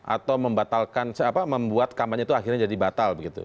atau membuat kampanye itu akhirnya jadi batal begitu